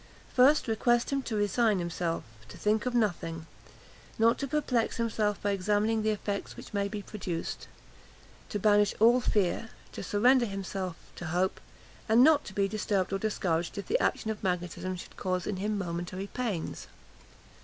First, request him to resign himself; to think of nothing; not to perplex himself by examining the effects which may be produced; to banish all fear; to surrender himself to hope, and not to be disturbed or discouraged if the action of magnetism should cause in him momentary pains.